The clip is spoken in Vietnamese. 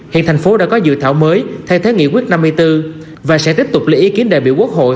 hiện thành phố đã có dự thảo mới thay thế nghị quyết năm mươi bốn và sẽ tiếp tục lấy ý kiến đại biểu quốc hội